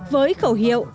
với khẩu hiệu